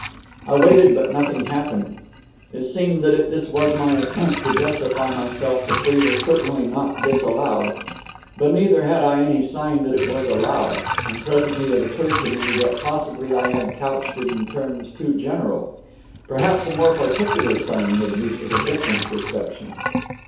I waited, but nothing happened. It seemed that if this was my attempt to justify myself, the plea was certainly not disallowed. But neither had I any sign that it was allowed; and presently it occurred to me that possibly I had couched it in terms too general. Perhaps a more particular claim would meet with a different reception.